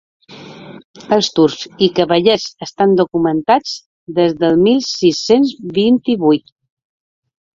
Els Turcs i cavallets estan documentats des del mil sis-cents vint-i-vuit.